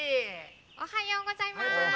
おはようございます。